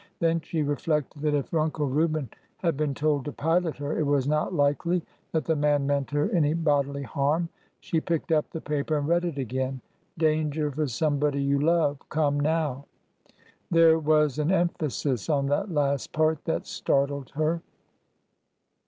Then she re flected that if Uncle Reuben had been told to pilot her, it was not likely that the man meant her any bodily harm. She picked up the paper and read it again. Danger for somebody you love ... come now" There was an em phasis on that last part that startled her.